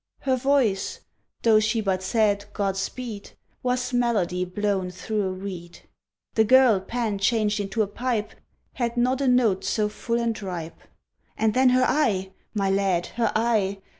Her voice though she but said "God speed" Was melody blown through a reed; The girl Pan changed into a pipe Had not a note so full and ripe. And then her eye my lad, her eye!